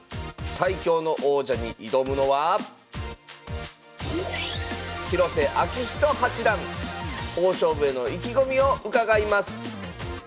最強の王者に挑むのは大勝負への意気込みを伺います